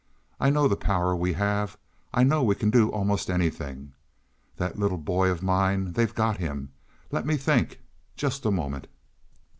I know the power we have; I know we can do almost anything. That little boy of mine they've got him. Let me think just a moment."